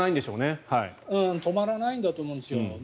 止まらないんだと思うんです。